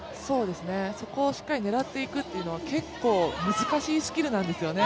そこをしっかり狙っていくというのは結構、難しいスキルなんですよね。